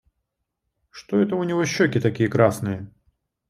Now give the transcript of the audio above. Что это у него щеки такие красные?